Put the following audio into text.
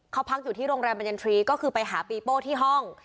เขาพักอยู่ที่โรงแรมบรรยันทรีย์ก็คือไปหาปีโป้ที่ห้อง